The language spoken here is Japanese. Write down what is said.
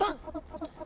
みたいな？